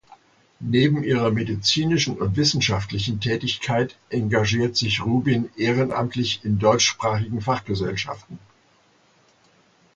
Neben ihrer medizinischen und wissenschaftlichen Tätigkeit engagiert sich Rubin ehrenamtlich in deutschsprachigen Fachgesellschaften.